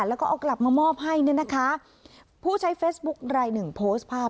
แล้วก็เอากลับมามอบให้เนี่ยนะคะผู้ใช้เฟซบุ๊คลายหนึ่งโพสต์ภาพ